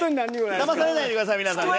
だまされないでください皆さんね。